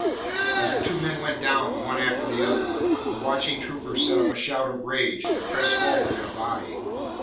As the two men went down, one after the other, the watching troopers set up a shout of rage, and pressed forward in a body.